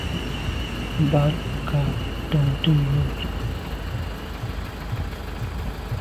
Mbat nka’ tonte yub yi.